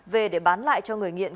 về để bán lại cho người nghiện